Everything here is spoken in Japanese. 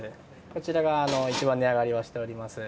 こちらが一番値上がりをしております。